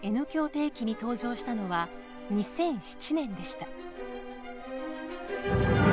定期に登場したのは２００７年でした。